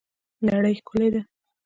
نړۍ ښکلې ده